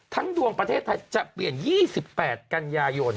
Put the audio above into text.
ทั้งดวงประเทศจะเปลี่ยน๒๘กัญญายน